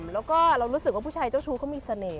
แล้วก็เรารู้สึกว่าผู้ชายเจ้าชู้เขามีเสน่ห